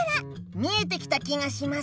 見えてきた気がします。